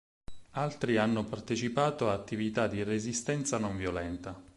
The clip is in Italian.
Altri hanno partecipato a attività di resistenza non violenta.